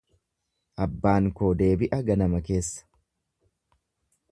Abbaan koo deebi'a ganama keessa.